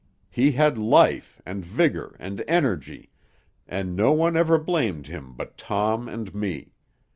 He had life, and vigor, and energy, and no one ever blamed him but Tom and me.